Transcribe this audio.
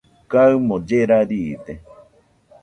kaɨmo llera riide